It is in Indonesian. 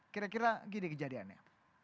kira kira gini kejadiannya